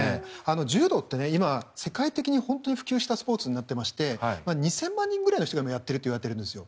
柔道って世界的に本当に普及したスポーツになっていまして２０００万人ぐらいの人がやっているといわれているんです。